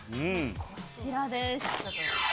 こちらです。